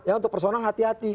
nah yang untuk personal hati hati